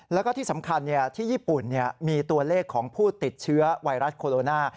แล้วก็ที่สำคัญที่ญี่ปุ่นมีตัวเลขของผู้ติดเชื้อไวรัสโคโรนา